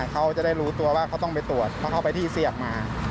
เขาจะได้รู้ตัวว่าเขาต้องไปตรวจเพราะเขาไปที่เสียบมา